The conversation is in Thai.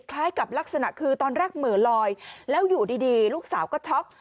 คล้ายกับลักษณะคือตอนแรกเหมือนลอยแล้วอยู่ดีลูกสาวก็ช็อก